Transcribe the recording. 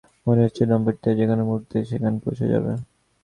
মনে হচ্ছে দম্পতিটা যেকোনো মূহুর্তে সেখানে পৌঁছে যাবে।